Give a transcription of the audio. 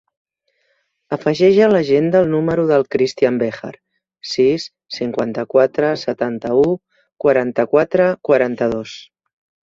Afegeix a l'agenda el número del Christian Bejar: sis, cinquanta-quatre, setanta-u, quaranta-quatre, quaranta-dos.